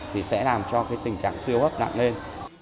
thì sẽ làm cho cái tình trạng siêu hấp nặng lên